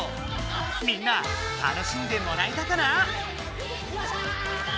みんな楽しんでもらえたかな？